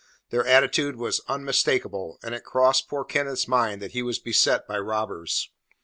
Their attitude was unmistakable, and it crossed poor Kenneth's mind that he was beset by robbers.